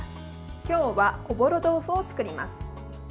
今日は、おぼろ豆腐を作ります。